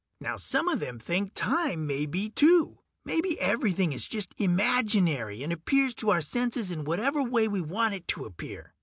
Now some of them think time may be, too. Maybe everything is just imaginary, and appears to our senses in whatever way we want it to appear.